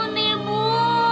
kami akan menunjukkan